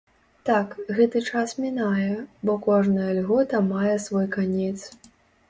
Так, гэты час мінае, бо кожная льгота мае свой канец.